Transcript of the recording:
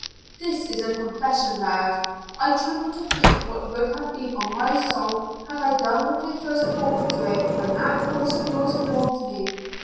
"This is a confession, lad. I tremble to think what would have been on my soul had I done what I first thought of doing when that horse of yours called me.